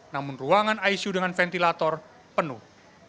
namun ruangan icu dengan ventilator penuh